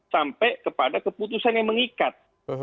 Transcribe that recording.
sampai kepada keputusan yang mengikat